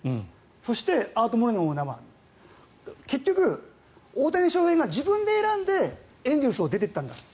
そしてアート・モレノオーナーは結局、大谷翔平が自分で選んでエンゼルスを出ていったんだ。